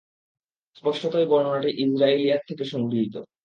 স্পষ্টতই বর্ণনাটি ইসরাঈলিয়াত থেকে সংগৃহীত।